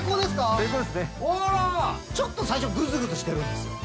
ちょっと最初グズグズしてるんですよ